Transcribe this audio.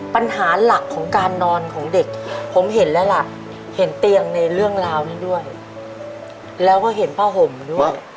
ปัญหาหลักของการนอนของเด็กผมเห็นแล้วล่ะเห็นเตียงในเรื่องราวนี้ด้วยแล้วก็เห็นผ้าห่มด้วย